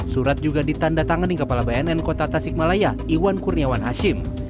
surat juga ditanda tangan di kepala bnn kota tasik malaya iwan kurniawan hashim